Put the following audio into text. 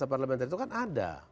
di parlementer itu kan ada